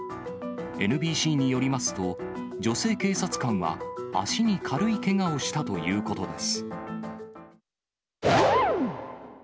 ＮＢＣによりますと、女性警察官は、足に軽いけがをしたということです。